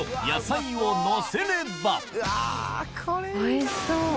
おいしそう。